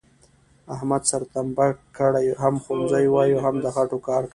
احمد سر تمبه کړی، هم ښوونځی وایي او هم د خټوکار کوي،